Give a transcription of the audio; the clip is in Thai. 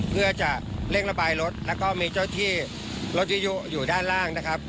เพื่อจะเร่งระบายรถแล้วก็มีเจ้าที่รถยุอยู่ด้านล่างนะครับ